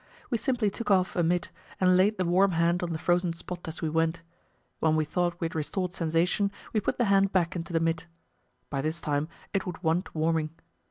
We simply took off a mit, and laid the warm hand on the frozen spot as we went; when we thought we had restored sensation, we put the hand back into the mit. By this time it would want warming.